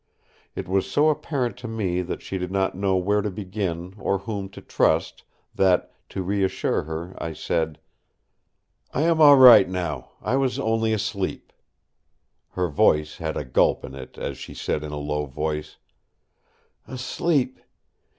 It was so apparent to me that she did not know where to begin or whom to trust that, to reassure her, I said: "I am all right now; I was only asleep." Her voice had a gulp in it as she said in a low voice: "Asleep!